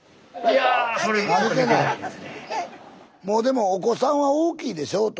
もうでもお子さんは大きいでしょ？